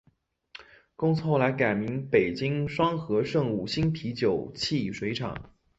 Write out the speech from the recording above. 公司后来改名北京双合盛五星啤酒汽水厂。